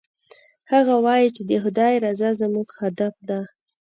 هغه وایي چې د خدای رضا زموږ هدف ده